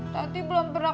tadi belum berjalan